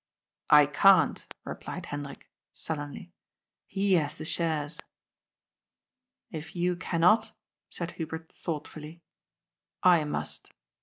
"" I can't," replied Hendrik sullenly. " He has the shares." " If you cannot," said Hubert thoughtfully, " I must.